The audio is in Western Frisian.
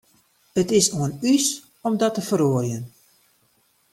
It is oan ús om dat te feroarjen.